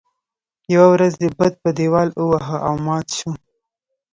يوه ورځ یې بت په دیوال وواهه او مات شو.